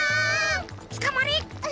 つかまれ！